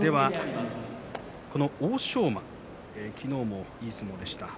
欧勝馬、昨日もいい相撲でした。